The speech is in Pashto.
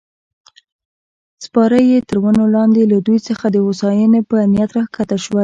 سپاره یې تر ونو لاندې له دوی څخه د هوساینې په نیت راکښته شول.